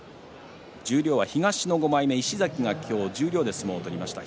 東の５枚目石崎が今日十両で相撲を取りました。